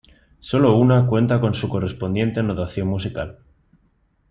Sólo una cuenta con su correspondiente notación musical.